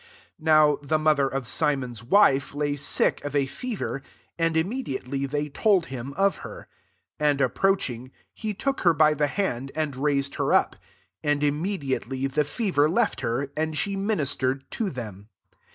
30 Now the mother of Simon's wife lay sick of a fever; and immediately they told him of her. 31 And approaching, he took her by the band, and raised her up : and immediate ly the fever left her, and she ministered to them.